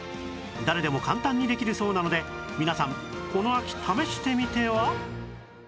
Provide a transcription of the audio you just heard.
誰でも簡単にできるそうなので皆さんこの秋試してみては？